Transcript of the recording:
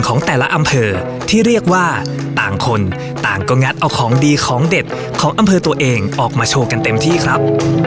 ของแต่ละอำเภอที่เรียกว่าต่างคนต่างก็งัดเอาของดีของเด็ดของอำเภอตัวเองออกมาโชว์กันเต็มที่ครับ